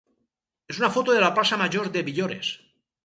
és una foto de la plaça major de Villores.